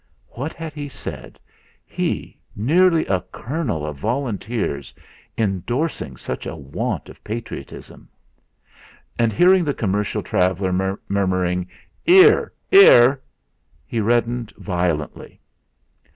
What had he said he, nearly a colonel of volunteers endorsing such a want of patriotism! And hearing the commercial traveller murmuring: "'Ear, 'ear!" he reddened violently.